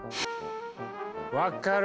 分っかる！